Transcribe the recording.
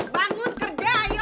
bangun kerja ayo